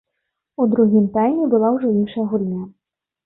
У другім тайме была ўжо іншая гульня.